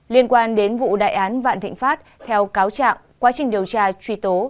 liên quan đến vụ đại án vạn thịnh pháp theo cáo trạng quá trình điều tra truy tố